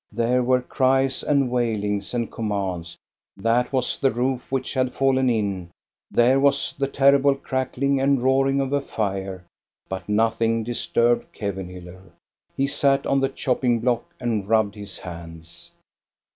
There were cries and wailings and com mands; that was the roof, which had fallen in; there was the terrible crackling and roaring of a fire. But nothing disturbed Kevenhiiller. He sat on the choppingfblock and rubbed his hands.